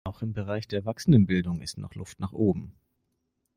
Auch im Bereich der Erwachsenenbildung ist noch Luft nach oben.